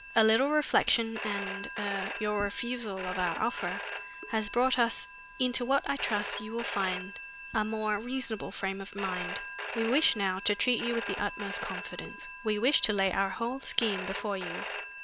A little reflection and er your refusal of our offer, has brought us into what I trust you will find a more reasonable frame of mind. We wish now to treat you with the utmost confidence. We wish to lay our whole scheme before you."